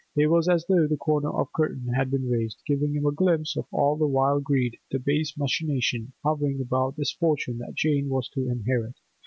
It was as though the corner of a curtain had been raised, giving him a glimpse of all the vile greed, the base machination, hovering about this fortune that Jane was to inherit.